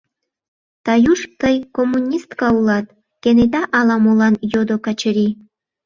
— Таюш, тый коммунистка улат? — кенета ала-молан йодо Качырий.